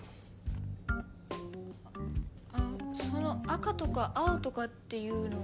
その赤とか青とかっていうのは？